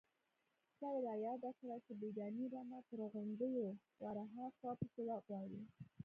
_سپي را ياده کړه چې بېګانۍ رمه تر غونډيو ورهاخوا پسې وغواړئ.